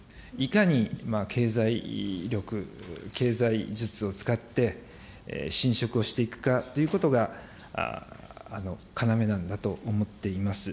いかに経済力、経済術を使って、侵食をしていくかということが、要なんだと思っています。